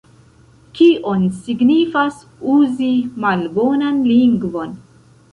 Kion signifas uzi malbonan lingvon?